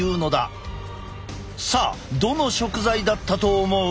さあどの食材だったと思う？